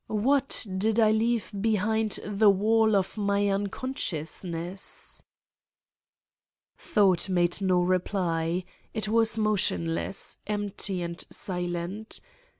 What did I leave be hind the wall of my Unconsciousness? Thought made no reply. It was motionless, empty and silent.